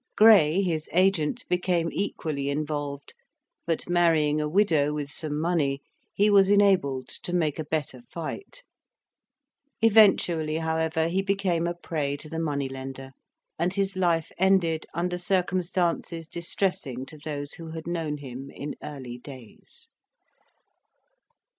Gray, his agent, became equally involved; but, marrying a widow with some money, he was enabled to make a better fight. Eventually, however, he became a prey to the money lender, and his life ended under circumstances distressing to those who had known him in early days.